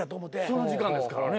その時間ですからね。